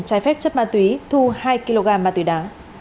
trái phép chất ma túy thu hai kg ma túy đá